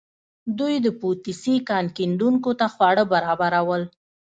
دوی د پوتسي کان کیندونکو ته خواړه برابرول.